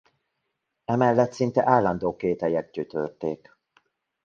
Emellett szinte állandó kételyek gyötörték.